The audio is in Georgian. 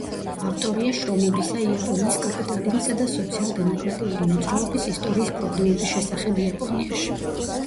ავტორია შრომებისა იაპონიის კაპიტალიზმისა და სოციალ-დემოკრატიული მოძრაობის ისტორიის პრობლემების შესახებ იაპონიაში.